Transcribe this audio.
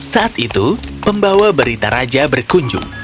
saat itu pembawa berita raja berkunjung